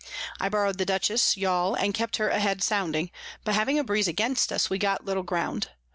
I borrow'd the Dutchess Yall, and kept her a head sounding; but having a Breeze against us, we got little ground.